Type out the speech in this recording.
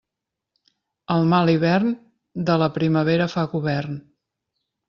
El mal hivern, de la primavera fa govern.